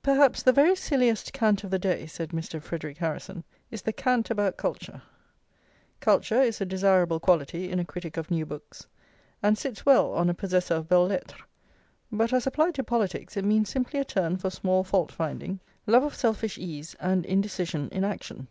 "Perhaps the very silliest cant of the day," said Mr. Frederic Harrison, "is the cant about culture. Culture is a desirable quality in a critic of new books, and sits well on a possessor of belles lettres; but as applied to politics, it means simply a turn for small fault finding, love of selfish ease, and indecision in action.